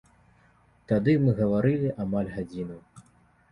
Тады мы гаварылі амаль гадзіну.